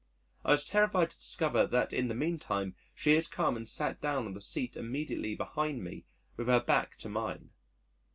I was terrified to discover that in the meantime she had come and sat down on the seat immediately behind me with her back to mine.